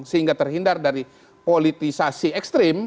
sehingga terhindar dari politisasi ekstrim